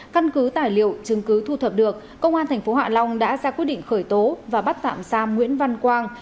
căn cứ tài liệu chứng cứ thu thập được công an tp hcm đã ra quyết định khởi tố và bắt tạm xa nguyễn văn quang